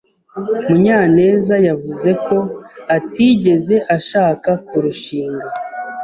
Munyanez yavuze ko atigeze ashaka kurushinga.